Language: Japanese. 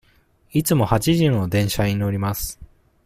いつも朝八時の電車に乗ります。